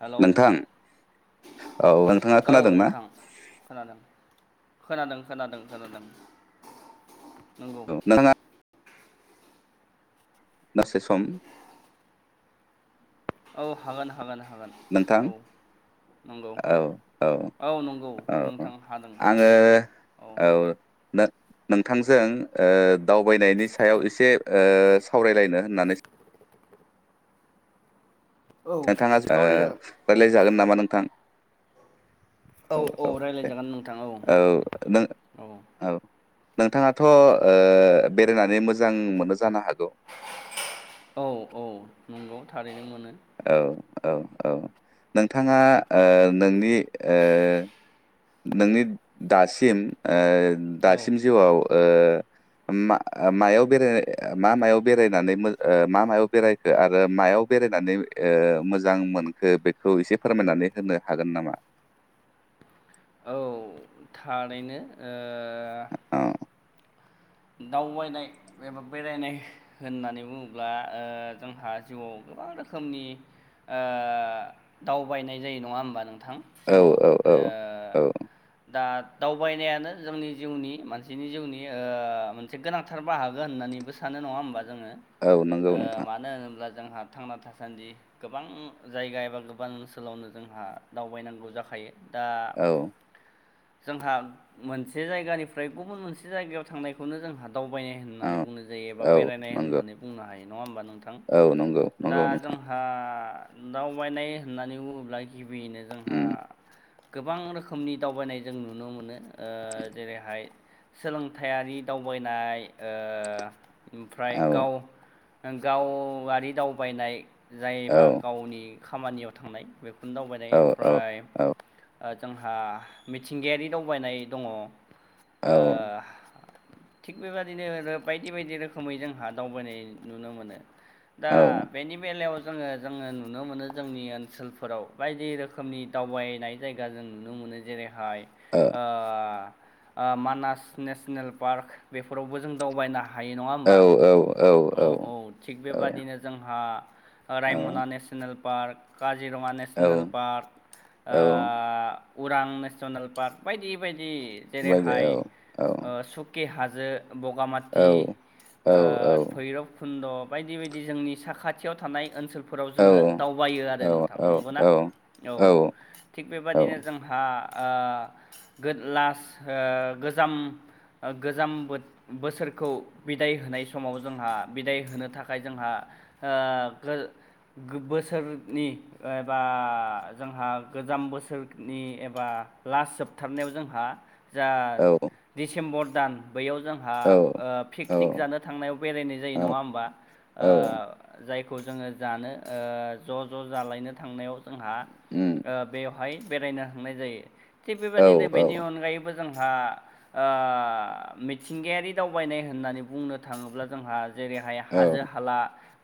हेल' औ नोंथां औ नोंथाङा खोनादोंना नोंथां खोनादों खोनादों खोनादों खोनादों नंगौ औ नोंथाङा दासो सम औ हागोन हागोन हागोन नोंथां औ नंगौ औ औ नंगौ औ नोंथां हादों आङो औ नोंथांजों दावबायनायनि सायाव एसे सावरायलायनो होननानै [inaudible] औ नोंथाङा सावरायजागोन रायज्लायजागोन नामा नोंथां औ औ दे औ नों औ नोंथाङाथ' बेरायनानै मोजां मोनो जानो हागौ औ औ नंगौ थारैनो मोनो औ औ औ नोंथाङा नोंनि नोंनि दासिम औ दासिम जिउआव मायाव बे मा मायाव बेरायनानै मा मायाव बेरायखो आरो मायाव बेरायनानै मोजां मोनखो बेखौ एसे फोरमायनानै होनो हागोन नामा [inaudible] औ थारैनो ओ औ दावबायनाय एबा बेरायनाय होननानै बुङोब्ला जोंहा जिउआव गोबां रोखोमनि दावबायनाय जायो नंङा होमबा नों नोंथां औ जिउआव औ औ औ दा दावबायनायानो जोंनि जिउनि मानसिनि जिउनि मोनसे गोनांथार बाहागो होननानैबो सानो नंङा होमबा जोङो औ नंगौ नोंथां मानो होनोब्ला जोंहा थांना थासान्दि गोबां जायगा एबा गोबां ओनसोलावनो जोंहा दावबायनांगौ जाखायो दा औ जोंहा मोनसे जायगानिफ्राय गुबुन मोनसे जायगायाव थांनायखौनो जोंहा दावबायनाय औ होननानै बुंनाय जायो एबा औ बेरायनाय नंगौ होननानै बुंनो हायो नङा होमबा नोंथां औ नंगौ दा नंगौ नोंथां जोंहा दावबायनाय होननानै बुङोब्ला गिबियैनो जोंहा उम गोबां रोखोमनि दावबायनाय जों नुनो मोनो ओ जेरैहाय सोलोंथायारि दावबायनाय ओ ओमफ्राय औ गाव गावारि दावबायनाय औ जायोबा गावनि खामानियाव थांनाय बेखौ दावबायनाय औ औ ओमफ्राय औ जोंहा मिथिंगायारि दावबायनाय दंङ ओ औ ओ थिग बेबायदिनो बायदि बायदि रोखोमै जोंहा दावबायनाय नुनो मोनो दा औ बेनि बेलायाव जोङो जोङो नुनो मोनो जोंनि ओनसोलफोराव बायदि रोखोमनि दावबायनाय जायगा जों नुनो मोनो जेरै हाय ओ औ ओ मानास नेसनेल पार्क बेफोरावबो जों दावबायना हायो नङा औ होमबा औ औ थिग बेबादिनो जोंहा रायमना नेसनेल पार्क का काजिरङा औ नेसनेल पार्क औ ओ उरां नेसनेल पार्क बायदि बायदि जि बायदि जेरैहाय औ औ सुकि हाजो औ बगामाथि औ ओ भैरब खुन्दक बायदि बायदि जोंनि साखाथियाव थानाय ओनसोलफोराव औ जोङो दावबायो औ आरो नोंथां नंगौना औ औ थिग औ बेबादिनो जोंहा ओ गोद लास गोजाम गोजाम बो बोसोरखौ बिदाय होनाय समाव जोंहा बिदाय होनो थाखाय जोंहा ओ गो बोसोरनि एबा जोंहा गोजाम बोसोरनि एबा लास्ट जोबथारनायाव जोंहा जा डसेम्बर दान बैयाव जोंहा ओ पिकनिक जानो थांनायाव बेरायनाय जायो औ नङा होमबा ओ औ जायखौ खौ जोङो जानो ओ ज' ज' जालायनो थांनायाव जोंहा उम ओ बे बेवहाय बेरायनो हांनाय जायो थिग औ बेबायदिनो औ बेनि अनगायैबो जोंहा ओ मिथिंगायारि दावबायनाय होननानै बुंनो थाङोब्ला जोंहा जेरैहाय औ हाजो हाला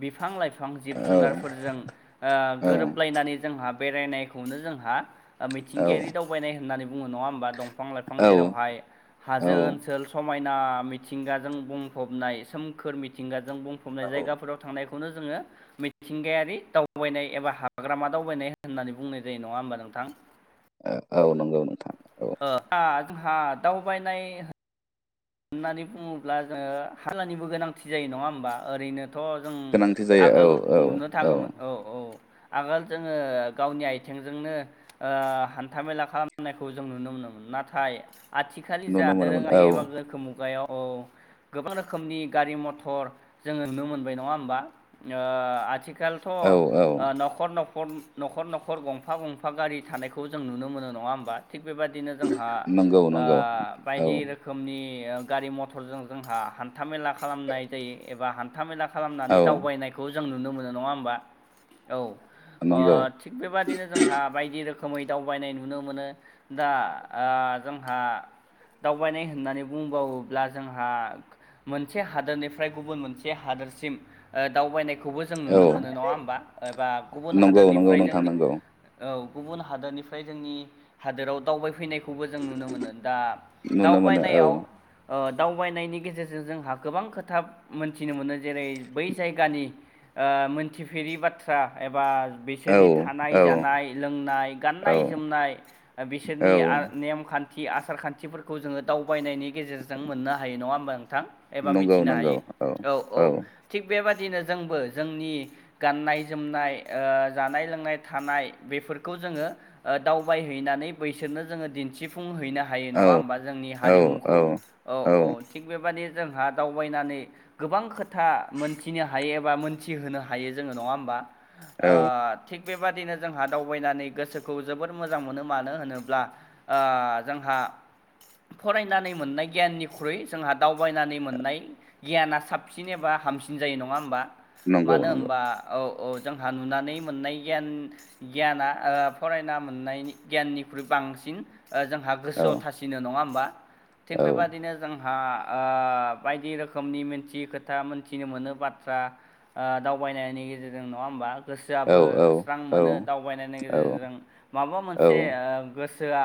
बिफां लाइफां जिब जुनारफोरजों ओ गोरोबलायनानै जोंहा। बेरायनायखौनो जोंहा मिथिंगायारि दावबायनाय होननानै बुङो नङा होमबा दंफां लाइफां औ जेरावहाय औ हाजो ओनसोल समायना मिथिंगाजों बुंफबनाय सोमखोर मिथिंगाजों बुंफबनाय जायगाफोराव थांनाय खौनो जोङो मिथिंगायारि दावबायनाय एबा हाग्रामा दावबायनाय होननानै बुंनाय जायो नङा होमबा नों थां औ नं औ जा हा दावबायनाय होननानै बुङोब्ला जोङो हाललानिबो गोनांथि जायो नङा होमबा ओरैनो थ' जों गोनांथि जायो औ आगोल औ नुनो थाङोमोन औ औ आगोल जोङो गावनि आथिंजोंनो ओ हान्थामेला खालामनायखौ जों नुनो मोनो नाथाय आथिखाल नुनो जा मोनोमोन दोरोङारि औ एबा गोखो मुगायाव औ गोबां रोखोमनि गारि मथर जोङो नुनो मोनबाय नङा होमबा ओ आथिखाल आथिखालथ' औ औ ओ न'खर नख खर न'खर न'खर गंफा गंफा गारि थानायखौ जों नुनो मोनो नङा होमबा थिग बेबादिनो जोंहा नंगौ ओ नंगौ औ बायदि रोखोमनि नि गारि मथरजों जोंहा हान्था मेला खालामनाय जायो एबा हान्था मेला औ खालामनानै दावबायनायखौ जों नुनो मोनो नङा होमबा औ अ नंगौ थिग बेबादिनो जोंहा बायदि रोखोम रोखोमै दावबायनाय नुनो मोनो दा आ जोंहा ओ दावबायनाय होननानै बुंबावोब्ला जोंहा मोनसे हादोरनिफ्राय गुबुन मोनसे हादोरसिम ओ दावबायनायखौबो जों औ नुनो मोनो नङा होमबा एबा गुबुन नंगौ नंगौ हादोरनिफ्राय नोंथां जोंनि नंगौ औ गुबुन हादोरनिफ्राय जोंनि हादोराव दावबायफैनायखौ। खौबो जों नुनो मोनो दा नुनो मोनो दावबायनायाव। औ ओ दावबायनायनि गेजेरजों जोंहा गोबां खोथा मोनथिनो मोनो जेरै बै जायगानि। ओ मोनथिफेरि बाथ्रा एबा। औ बिसोरनि थानाय औ जानाय लोंनाय औ गाननाय जोमनाय औ बिसोरनि आ नेमखान्थि। थि आसार खान्थिफोरखौ जोङो दावबायनायनि गेजेरजों मोननो हायो नङा होमबा? नों थां एबा नंगौ मिथिनो नंगौ हायो औ औ थिक बेबादि। दिनो जोंबो जोंनि गाननाय जोमनाय ओ जानाय लोंनाय थानाय बेफोरखौ। जोङो ओ दावबाय होनानो बैसोरनो जोङो दिन्थिफुंनो। हैैनो हायो औ नङा होमबा जोंनि औ हारिमुखौ औ औ थि बेबा। दिनो जोंहा दावबायनानै गोबां खोथा मोनथिनो हायो एबा मोनथि होनोनो हायो जोङो नं। नङा होनबा औ ओ थिग बेबादिनो जोंहा दावबायनानै गोसोखौ जोबोर मोजां मोनो मानो होनोब्ला ओ जोंहा फरायनानै मोननाय गियाननिख्रुइ जोंहा दावबायनानै मोननाय गियाना साबसिन एबा हामसिन जायो नङा होमबा। नंगौ मानो नंगौ होमबा औ। अ जोंहा नुनानै मोननाय गियान गियाना ओ फरायना मोननाय गियाननिख्रुइ बां बांसिन जोंहा औ गोसोयाव थासिनो नङा होमबा। थिग औ बेबादिनो जों हा ओ बायदि रोखोमनि मिथियि खोथा मोनथिनो मोनो बाथ्रा दाव बायनायनि गेजेरजों नङा होमबा। औ गोसोयाबो स्रां औ मोनो दावबायनायनि गेजेरजों माबा मोनसे ओ गोसो सोया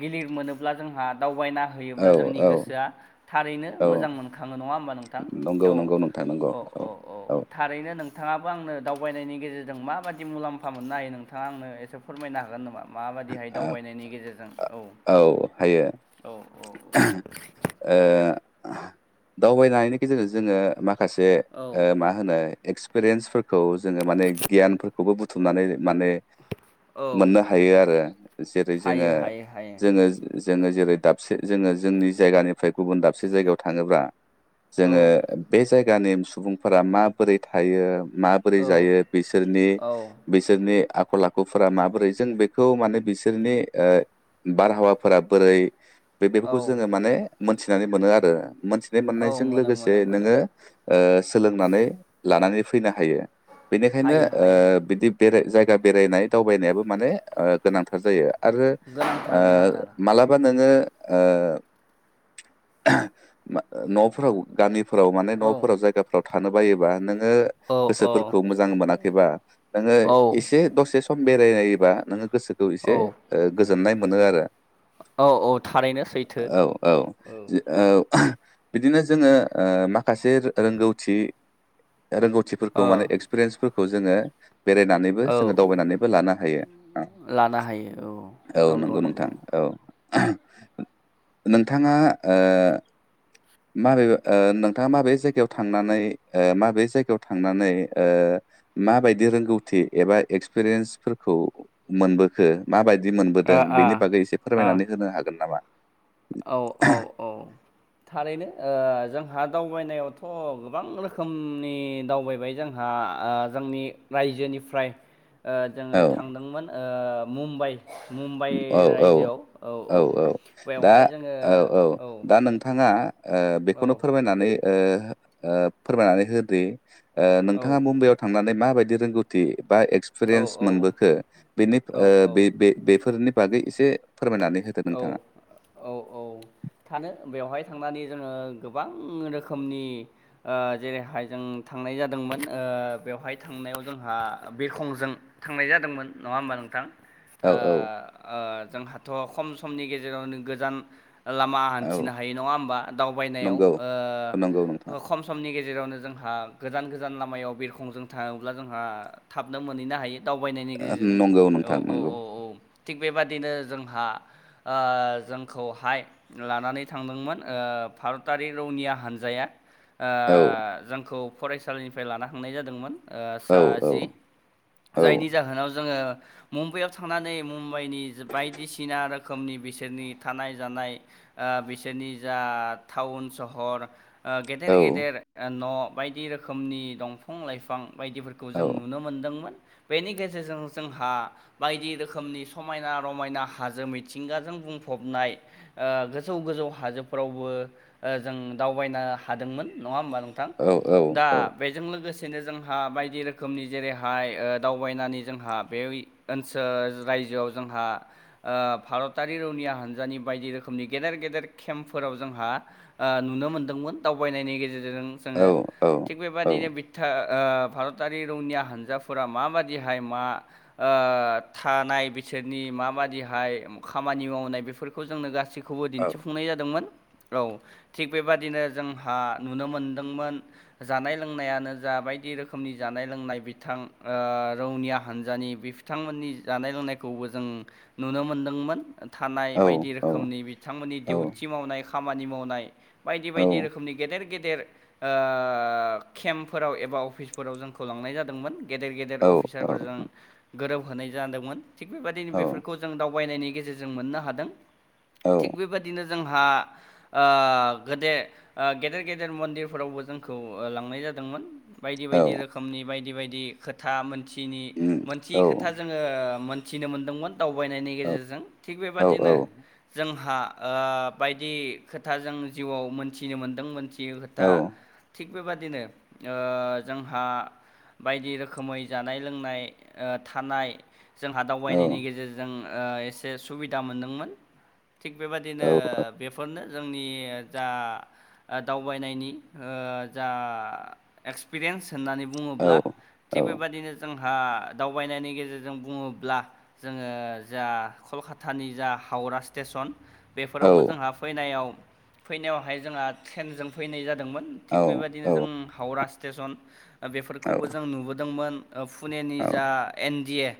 गिलिर मोनोब्ला जोंहा दावबायना होयो औ अब्ला जोंनि औ गोसोआ थारैनो औ मोजां मोनखाङो नङा होमबा नोंथां नंगौ औ। नंगौ नोंथां नंगौ अ औ अ अ औ थारैनो नों नोंथाङाबो आंनो दावबायनायनि गेजेरजों माबायदि मुलाम्फा मोननो हायो नोंथाङा आंनो एसे फोरमायनो हागोन नामा। मा बायदि हाय दावबायनायनि गेजेरजों औ औ हायो औ औ ओ दावबायनायनि गेजेरजों जोङो माखा माखासे औ मा होनो एक्सपिरियेन्सफोरखौ जोङो माने गियानफोरखौबो बुथुमनानै माने औ मोननो हायो आरो जेरै जोङो हायो हायो हायो जोङो जों जोङो जेरै दाबसे जोङो जोंनि जायगानिफ्राय गुबुन दाबसे जायगायाव थाङोब्ला औ जोङो बे जायगानि सुबुंफोरा माबोरै थायो। माबोरै औ जायो बिसोरनि औ बिसोरनि आखल आखुफोरा माबोरै जों बेखौ माने बिसोरनि ओ बारहावाफोरा बोरै बे बेफोरखौ औ जोङो माने मोनथिनानै मोनो आरो मोनथि बे औ मोननायजों मोनो लोगोसे मोनो मोनो नोङो ओ सोलोंनानै लानानै फैनो हायो। बेनिखायनो हायो हायो ओ बिदि बेराय जायगा बेरायनाय दावबायनायाबो माने ओ गोनांथार जायो। आरो ओ गोनांथार गोनांथार मालाबा नोङो ओ नफ्राव गामि फोराव माने औ नफोराव जायगाफोराव थानो बायोबा नों ओ औ औ गोसोफोरखौ मोजां मोनाखैबा नोङो औ एसे दसे स खम बेरायलायोबा नोङो गोसोखौ एसे औ ओ गोजोननाय मोनो आरो। औ औ थारैनो सैथो औ औ औ। बिदिनो जोङो ओ माखासे रोंगौथि रोंगौथिफोरखौ ओ माने एक्सपिरियेन्सफोरखौ जोङो बेरायनानैबो औ जोङो दावबायनानैबो लानो हायो। लानो हायो औ नंगौ। नंगौ नोंथां औ नोंथाङा ओ। माबे नोंथाङा माबे ओ जायगायाव थांनानै माबे जायगायाव थांनानै ओ माबायदि रोंगौथि एबा एक्सपिरियेन्सफोरखौ मोनबोखो माबाय दि मोनबोदों ओ ओ बेनि बागै एसे ओ फोरमायनानै होनो हागोन नामा? औ औ औ। थारैनो ओ जोंहा दावबायनायावथ' गोबां रोखोमनि दावबायबाय जोंहा आ आ जोंनि रायजोनिफ्राय ओ जोङो औ थांदोंमोन ओ मुम्बाइ मुम्बाइ औ रायजोयाव औ औ बेव आ औ औ दा नोंथाङा ओ औ बेखौनो फोरमायनानै ओ ओ फोरमायनानै होदो नोंथाङा मुम्बाइआव थांनानै माबायदि रोंगौथि बा औ एक्सपिरियेन्स औ मोनबोखो बेनि औ ओ औ बे बे बेफो बे एसे औ औ औ थानो बेवहाय थांनानै जोङो गोबां रोखोमनि ओ जेरैहाय जों थांनाय जादोंमोन ओ ओ बेवहाय थांनायाव जोंहा बिरखंजों थांनाय जादोंमोन नङा होमबा नोंथां? ओ औ औ ओ जोंहाथ' खम समनि गेजेरावनो गोजान लामा औ हान्थिनो हायो नङा होमबा दावबायनायाव? नंगौ नंगौ नोंथां ओ खम समनि गेजेर जेरावनो जोंहा गोजान गोजान लामायाव बिरखंजों थाङोब्ला जोंहा थाबनो मोनैनो हायो। दावबायनायनि ओ गेजेरजों नंगौ औ नोंथां औ नंगौ औ औ थिग बेबादिनो जोंहा ओ जोंखौहाय लानानै थांदोंमोन ओ भारतारि रौनिया हान्जाया। ओ औ जोंखौ फरायसालिनिफ्राय लाना हांनाय जादोंमोन। ओ औ सा औ जि औ जायनि जाहोनाव जोङो मुम्बाइआव थांनानै मुम बाइनि बायदिसिना रोख खोमनि बिसोरनि थानाय जानाय ओ बिसोरनि जा टाउन सहर ओ गेदेर औ गेदेर ओ न' बायदि रोखोमनि दंफां लाइफां बायदिफोरखौ जों औ नुनो मोन्दोंमोन। बेनि गेजेरजों जोंहा बायदि रोखोमनि समायना रमायना हाजो मिथिं थिंगाजों बुंफबनाय ओ गोजौ गोजौ हाजोफोरावबो ओ जों दावबायना हादोंमोन नङा होनबा नोंथां? औ दा बेजों लोगोसे सेनो जोंहा बायदि रोखोमनि जेरैहाय ओ दावबायनानै जोंहा बेवइ ओनसोल राय जोआव जोंहा आ भारतारि रौनिया हान्जानि बायदि रोखोमनि गेदेर गेदेर केम्पफोराव जोंहा ओ नुनो मोनदोंमोन। दावबायनायनि गेजेरजों जों औ जोङो। थिग औ बेबादिनो बिथा ओ भारतारि रौनिया हान्जाफोरा माबायदिहाय मा ओ थानाय बि सोरनि माबादिहाय खामानि मावनाय बेफोरखौ जोंनो गासैखौबो औ दिन्थिफुंनाय जादोंमोन। औ थिग बेबादिनो जोंहा नुनो मोनदोंमोन जानाय लोंनायानो जा बायदि रोखोमनि जानाय लोंनाय बिथां ओ रौनिया हानजानि बे बिथांमोननि जानाय लोंनायखौ खौबो जों नुनो मोनदोंमोन। थानाय बायदि रोखोमनि बिथांमोननि डिउथि औ मावनाय खामानि मावनाय बायदि बायदि रोखोमनि गेदेर गेदेर ओ केम्पफोराव एबा अफिसफोराव जोंखौ लांनाय जादोंमोन। गेदेर गेदेर अफिसारफोरजों गोरोबहोनाय जादोंमोन। थिग बेबायदिनो बेफोरखौ जों दावबायनायनि जों मोननो हादों। औ थि बेबायदिनो जोंहा ओ गोदे ओ गेदेर गेदेर मन्दिरफोरावबो जोंखौ ओ लांनाय जा दोंमोन। बायदि बायदि रोखोमनि बायदि बायदि खोथा मोनथियैनि उम औ मोनथियै खोथा जोङो ओ मोन थिनो मोनदोंमोन दावबायनायनि औ गेजेरजों। थिग औ बेबादिनो जा जोंहा ओ बायदि खोथा जों जिउआव मोनथिनो मोनदों मोनथि थियै औ खोथा थिग बेबादिनो ओ जोंहा बायदि रोखोमै जानाय लोंनाय ओ थानाय जोंहा औ दावबायनायनि गेजेरजों ओ एसे सुबिदा मोनदोंमोन। थिग बेबायदिनो औ बेफोरनो जोंनि ओ जा दावबायनायनि ओ जा एक्सपिरियेन्स होननानै बुङोब्ला थिग बेबायदिनो जों हा दावबायनायनि गेजेरजों बुङोब्ला जोङो जा कलकातानि जा हावरा स्टेसन बेफोरावबो औ जोंहा फैनायाव फैनायावहाय जोंहा ट्रेनजों फैनाय जादोंमोन थिग औ बेबायदिनो औ जों हावरा सि स्टेसन ओ बेफोरखौबो जों नुबोदोंमोन ओ पुनेनि जा एन डि ए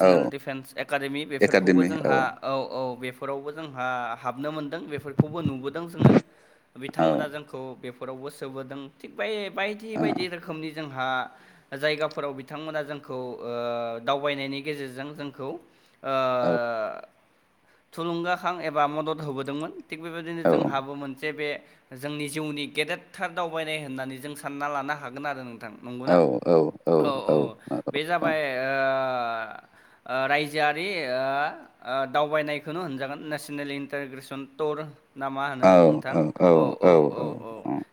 औ डिफेन्स एकाडेमि बेफोरखौबो जोंहा औ औ बेफोरावबो जोंहा हाब बनो मोनदों बेफोरखौबो नुबोदों जोङो औ बिथांमोना जोंखौ बे फोरावबो सोबोदों थिग बे बायदि बायदि रोखोमनि जोंहा जायगाफोराव बिथांमोना जोंखौ ओ दावबायनायनि गेजेरजों जोंखौ ओ औ थुलुंगाखां एबा मदद होबोदोंमोन थिग बेबायदिनो औ औ जोंहाबो मोनसे बे जोंनि जिउनि गेदेरथार दावबायनाय होननानै जों सानना लानो हागोन आरो नों नंगौना औ औ बे जाबाय ओ आ ओ ओ रायजोआरि ओ ओ दावबायनायखौनो होनजागोन नेसनेल इन्टारग्रेसन टर ना मा होनो नोंथां औ औ औ औ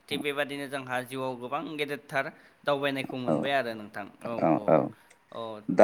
थिग बेबाददिनो जोंहा। जिउआव गोबां गेदेरथार दावबायनायखौ औ मोनबाय आरो नोंथां औ औ औ।